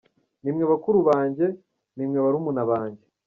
Ni mwe bakuru banjye, ni mwe barumuna banjye.